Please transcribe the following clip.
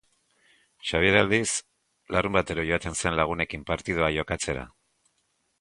Xabier, aldiz, larunbatero joaten zen lagunekin partidua jokatzera.